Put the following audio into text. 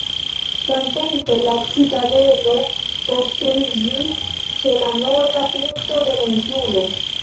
Samtempe la citadelo konstruiĝis ĉe la norda pinto de la insulo.